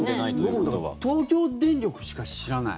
僕も東京電力しか知らない。